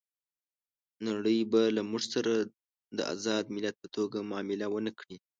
نړۍ به له موږ سره د آزاد ملت په توګه معامله ونه کړي.